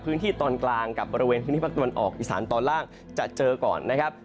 พื้นที่ตอนกลางกับบริเวณพื้นที่ภาคตะวันออกอีสานตอนล่างจะเจอก่อนนะครับ